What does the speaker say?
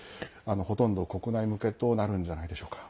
ほとんど国内向けとなるんじゃないでしょうか。